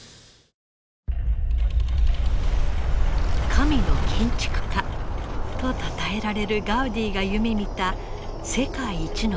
「神の建築家」とたたえられるガウディが夢みた世界一の教会。